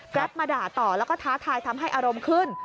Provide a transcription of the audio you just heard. มาด่าต่อแล้วก็ท้าทายทำให้อารมณ์ขึ้น